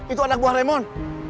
itu ada buah lemon